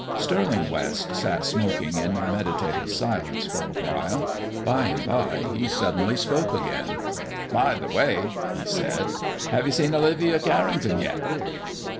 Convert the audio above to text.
Stirling West sat smoking in meditative silence for a while. By and by he suddenly spoke again. "By the way," he said, "have you seen Olivia Carrington yet?"